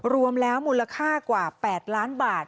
รวมแล้วมูลค่ากว่า๘ล้านบาท